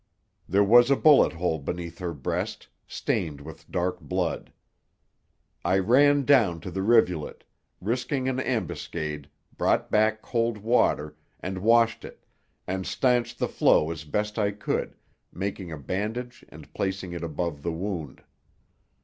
There was a bullet hole beneath her breast, stained with dark blood. I ran down to the rivulet, risking an ambuscade, brought back cold water, and washed it, and stanched the flow as best I could, making a bandage and placing it above the wound.